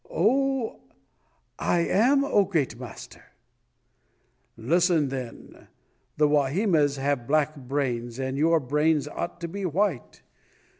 "I am, oh, great master!" "Listen, then! The Wahimas have black brains, but your brains ought to be white.